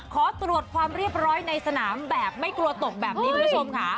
ขอตรวจความเรียบร้อยในสนามแบบไม่กลัวตกแบบนี้คุณผู้ชมค่ะ